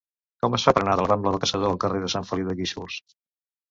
Com es fa per anar de la rambla del Caçador al carrer de Sant Feliu de Guíxols?